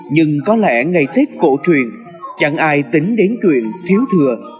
nhưng có lẽ ngày tết cổ truyền chẳng ai tính đến chuyện thiếu thừa